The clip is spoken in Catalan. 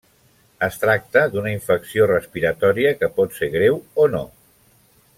Es tracta d'una infecció respiratòria que pot ser greu o no.